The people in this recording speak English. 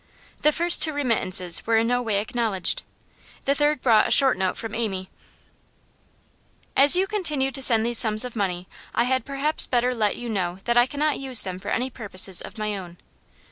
The first two remittances were in no way acknowledged; the third brought a short note from Amy: 'As you continue to send these sums of money, I had perhaps better let you know that I cannot use them for any purposes of my own.